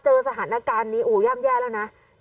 เบื้องต้น๑๕๐๐๐และยังต้องมีค่าสับประโลยีอีกนะครับ